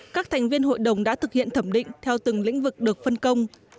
các thành viên hội đồng đã thực hiện thẩm định theo từng lĩnh vực được phân công